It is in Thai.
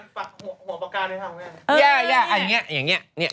หัวปากกาในทางเนี้ยเอออันเนี้ยอย่างเงี้ยเนี้ย